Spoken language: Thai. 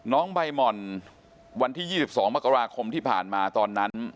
น้องใบหม่อนวันที่๒๒มกราคมที่ผ่านมาตอนนั้น